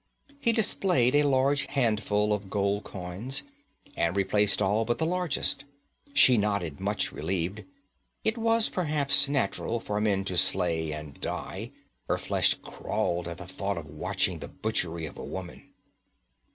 He displayed a large handful of gold coins, and replaced all but the largest. She nodded, much relieved. It was perhaps natural for men to slay and die; her flesh crawled at the thought of watching the butchery of a woman.